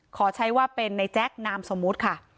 ขอใช้ว่าเป็นในแจ๊คนามสมมุติค่ะ